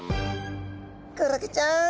クラゲちゃん！